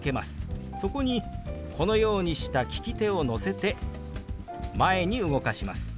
そこにこのようにした利き手を乗せて前に動かします。